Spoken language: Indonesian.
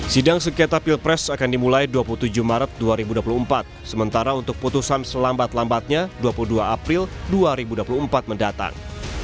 sidang sengketa pilpres akan dimulai dua puluh tujuh maret dua ribu dua puluh empat sementara untuk putusan selambat lambatnya dua puluh dua april dua ribu dua puluh empat mendatang